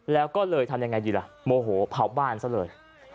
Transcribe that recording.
แล้วก็เลยทำยังไงดีล่ะโมโหเผาบ้านซะเลย